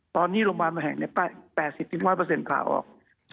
ตอนนี้โรงพยาบาลบางแห่งใน๘๐๑๐๐ผ่าออก